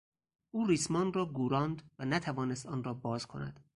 او ریسمان را گوراند و نتوانست آن را باز کند.